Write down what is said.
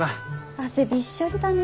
汗びっしょりだね。